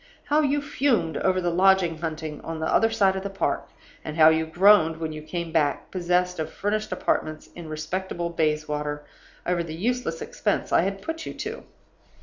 How you fumed over the lodging hunting on the other side of the Park! and how you groaned when you came back, possessed of furnished apartments in respectable Bayswater, over the useless expense I had put you to!